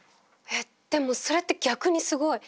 えっでもそれって逆にすごい。